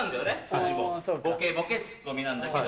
うちもボケボケツッコミなんだけど。